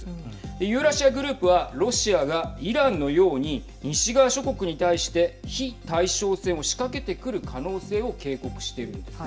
ユーラシア・グループはロシアがイランのように西側諸国に対して非対称戦を仕掛けてくる可能性を警告しているんですね。